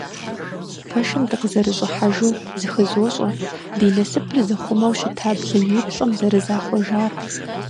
Пэшым дыкъызэрыщӀыхьэжу зыхызощӀэ ди насыпыр зыхъумэу щыта блыниплӀым зэрызахъуэжар.